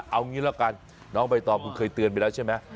เอางี้ละกันน้องใบตองคุณเคยเตือนไปแล้วใช่ไหม